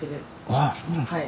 ああそうなんですか。